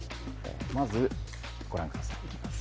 まずご覧ください。